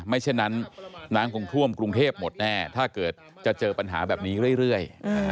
เช่นนั้นน้ำคงท่วมกรุงเทพหมดแน่ถ้าเกิดจะเจอปัญหาแบบนี้เรื่อย